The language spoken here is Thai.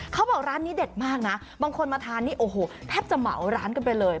เขาบอกร้านนี้เด็ดมากนะบางคนมาทานนี่โอ้โหแทบจะเหมาร้านกันไปเลย